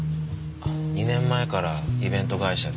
２年前からイベント会社で。